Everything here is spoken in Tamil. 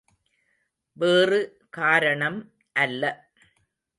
வேறு காரணம் அல்ல.